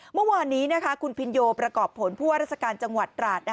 เมื่อวานนี้คุณพินโยประกอบผลผู้ว่าราชการจังหวัดตราด